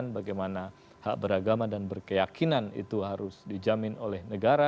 bagaimana hak beragama dan berkeyakinan itu harus dijamin oleh negara